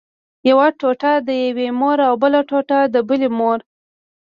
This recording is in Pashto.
یوه ټوټه د یوې مور او بله ټوټه د بلې مور.